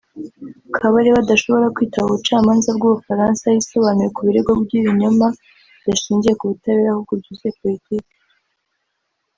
Kabarebe adashobora kwitaba ubucamanza bw’u Bufaransa yisobanure ku birego by’ibinyoma bidashingiye ku butabera ahubwo byuzuye politiki